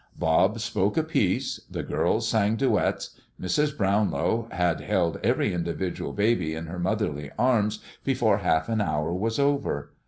Bob spoke a piece, the girls sang duets. Mrs. Brownlow had held every individual baby in her motherly arms before half an hour was over.